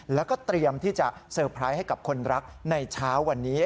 แล้วก็เตรียมที่จะเตอร์ไพรส์ให้กับคนรักในเช้าวันนี้